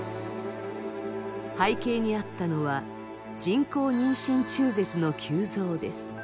背景にあったのは人工妊娠中絶の急増です。